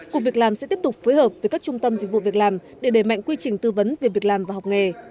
cục việc làm sẽ tiếp tục phối hợp với các trung tâm dịch vụ việc làm để đẩy mạnh quy trình tư vấn về việc làm và học nghề